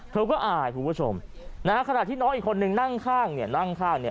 เธอก็อายคุณผู้ชมขนาดที่น้องอีกคนนึงนั่งข้าง